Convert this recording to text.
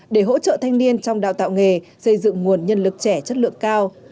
để hỗ trợ thanh niên trong đào tạo nghề xây dựng nguồn nhân lực trẻ chất lượng cao